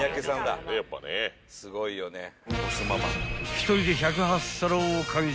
［１人で１０８皿を完食］